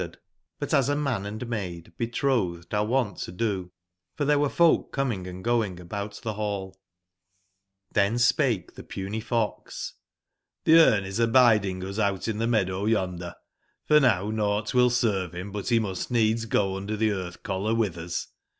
169 cd, but as a man and maid betrothed are wont to do, for there were folk coming and going about the hallXhen spake the puny fox: 'Xbe Brne is abid ing us out in the meadow yonder ; for now nought will serve him but he must needs go under the earth collar with us.